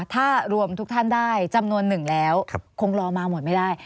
ถ้ารวมทุกท่านได้จำนวนหนึ่งแล้วคงรอมาหมดไม่ได้